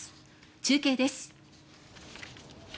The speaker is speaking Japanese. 中継です。